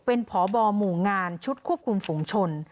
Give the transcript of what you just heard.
เป็นพบหมู่งานชุดควบคุมฝุงชน